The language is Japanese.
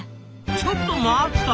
ちょっと待った！